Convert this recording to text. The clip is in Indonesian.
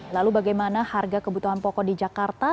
lalu bagaimana harga kebutuhan pokok di jakarta